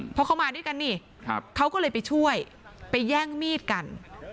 เพราะเขามาด้วยกันนี่เขาก็เลยไปช่วยไปแย่งมีดกัน